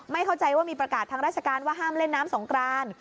เข้าใจว่ามีประกาศทางราชการว่าห้ามเล่นน้ำสงกราน